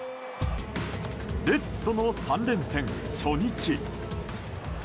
レッズとの３連戦初日。